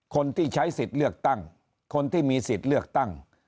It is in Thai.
คนที่ใช้สิทธิ์เลือกตั้งคนที่มีสิทธิ์เลือกตั้ง